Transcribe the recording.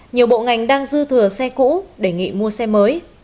nhiều bộ ngành đang dư thừa xe cũ đề nghị mua xe mới